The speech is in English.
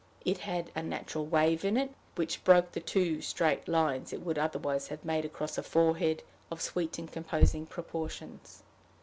It had a natural wave in it, which broke the too straight lines it would otherwise have made across a forehead of sweet and composing proportions.